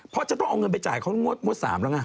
เพราะจะต้องเอาเงินไปจ่ายเขางวด๓แล้วไง